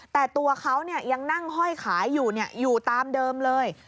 แต่ตัวเขายังนั่งห้อยขายอยู่อยู่ตามเดิมเลย